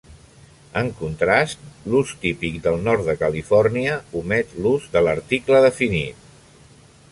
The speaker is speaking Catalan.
En contrast, l'ús típic del nord de Califòrnia omet l'ús de l'article definit.